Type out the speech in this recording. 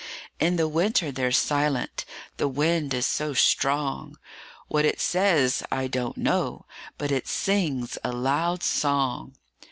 In the winter they're silent the wind is so strong; What it says, I don't know, but it sings a loud song.